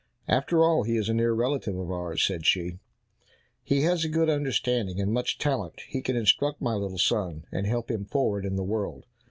"After all, he is a near relative of ours," said she, "he has a good understanding, and much talent; he can instruct my little son, and help him forward in the world."